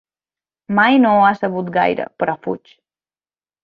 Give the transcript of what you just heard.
Mai no ho ha sabut gaire, però fuig.